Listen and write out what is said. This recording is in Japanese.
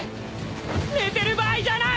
寝てる場合じゃない！